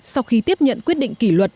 sau khi tiếp nhận quyết định kỷ luật